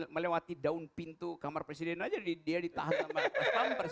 melewati daun pintu kamar presiden saja dia ditahan sama paskampers